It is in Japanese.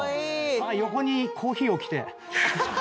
横にコーヒー置きてえ。